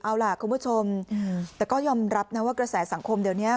เอาล่ะคุณผู้ชมแต่ก็ยอมรับนะว่ากระแสสังคมเดี๋ยวนี้